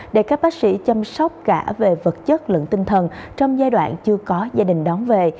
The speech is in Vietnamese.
để các bác sĩ chăm sóc cả về vật chất lẫn tinh thần trong giai đoạn chưa có gia đình đón về